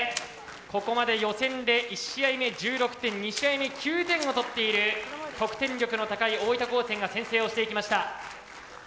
ここまで予選で１試合目１６点２試合目９点を取っている得点力の高い大分高専が先制をしていきました。